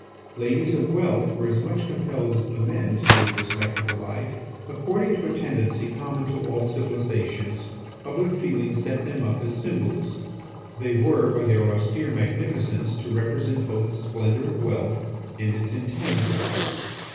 Ladies of wealth were as much compelled as the men to lead a respectable life. According to a tendency common to all civilizations, public feeling set them up as symbols; they were, by their austere magnificence, to represent both the splendour of wealth and its intangibility.